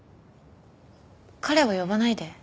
彼は呼ばないで。